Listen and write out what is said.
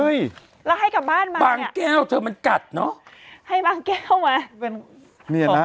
แล้วให้กลับบ้านมาบางแก้วเธอมันกัดเนอะให้บางแก้วมาเป็นเนี่ยนะ